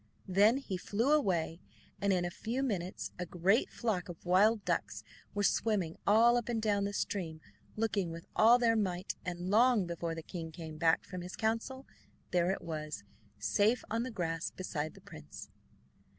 Then he flew away, and in a few minutes a great flock of wild ducks were swimming all up and down the stream looking with all their might, and long before the king came back from his council there it was, safe on the grass beside the prince.